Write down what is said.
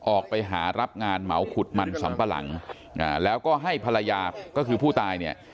ออกไปหารับงานเหมาขุดมันสำปะหลังแล้วก็ให้ภรรยาก็คือผู้ตายเนี่ย